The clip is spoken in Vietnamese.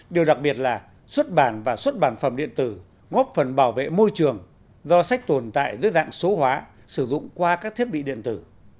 điều đặc biệt là xuất bản và xuất bản phẩm điện tử góp phần bảo vệ môi trường do sách tồn tại dưới dạng số hóa sử dụng qua các thiết bị điện tử